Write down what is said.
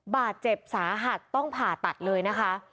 บาดเจ็บสาหัสต้องผ่าตัดเลยนะคะ